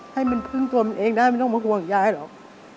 ให้มันพึ่งตัวมันเองได้ไม่ต้องมาห่วงยายหรอก